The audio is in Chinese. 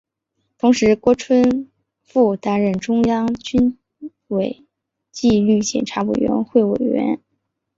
同时郭春富兼任中央军委纪律检查委员会委员。